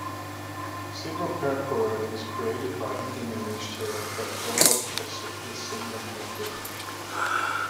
Silver perchlorate is created by heating a mixture of perchloric acid with silver nitrate.